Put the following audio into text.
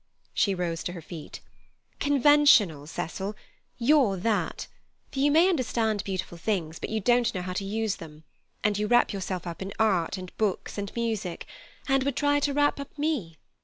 —she rose to her feet—"conventional, Cecil, you're that, for you may understand beautiful things, but you don't know how to use them; and you wrap yourself up in art and books and music, and would try to wrap up me.